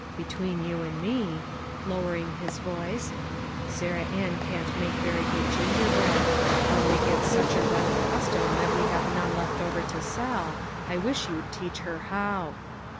Between you and me," lowering his voice, " Sarah Ann can't make very good gingerbread ; when we get such a run of custom that we have none left over to sell, I wish you'd teach her how."